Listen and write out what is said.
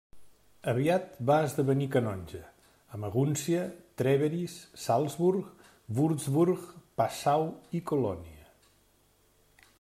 Aviat va esdevenir canonge: a Magúncia, Trèveris, Salzburg, Würzburg, Passau i Colònia.